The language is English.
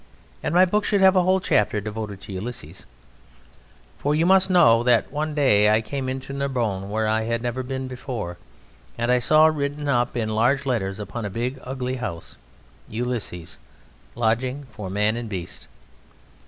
And my book should have a whole chapter devoted to Ulysses. For you must know that one day I came into Narbonne where I had never been before, and I saw written up in large letters upon a big, ugly house: ULYSSES, Lodging for Man and Beast.